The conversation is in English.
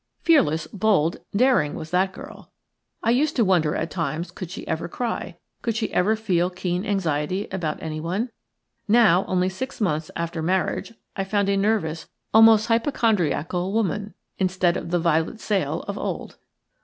Fearless, bold, daring was that girl. I used to wonder at times could she ever cry; could she ever feel keen anxiety about anyone? Now, only six months after marriage, I found a nervous, almost hypochondriacal, woman instead of the Violet Sale of old.